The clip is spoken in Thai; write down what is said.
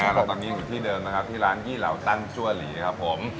แล้วตอนนี้อยู่ที่เดิมนะครับที่ร้านยี่เหล่าตั้งชั่วหลีครับผม